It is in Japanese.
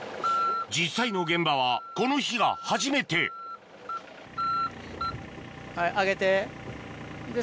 実際の現場はこの日が初めてはい上げて。